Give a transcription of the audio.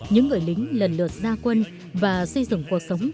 những người lính lần lượt ra quân và xây dựng cuộc sống